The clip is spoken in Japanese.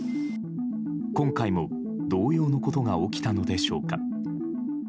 今回も同様のことが起きたのでしょうか。